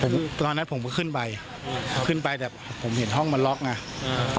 ผมตอนนั้นผมก็ขึ้นไปขึ้นไปแต่ผมเห็นห้องมันล็อกไงอ่า